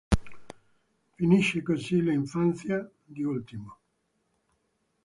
Finisce così l'infanzia di Ultimo.